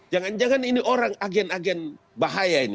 jangan jangan ini orang agen agen bahaya ini